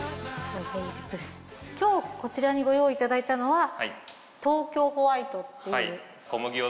今日こちらにご用意いただいたのは東京ホワイト。